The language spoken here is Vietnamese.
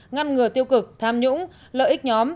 ngăn ngừa tiêu cực tham nhũng lợi ích nhóm